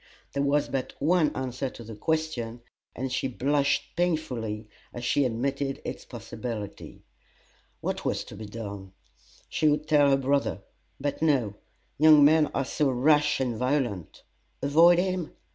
There was but one answer to the question, and she blushed painfully as she admitted its possibility. What was to be done? She would tell her brother; but no young men are so rash and violent. Avoid him?